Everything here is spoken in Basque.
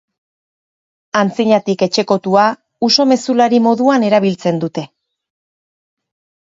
Antzinatik etxekotua, uso mezulari moduan erabiltzen dute.